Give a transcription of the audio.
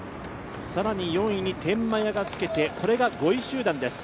更に４位に天満屋がつけて、これが５位集団です。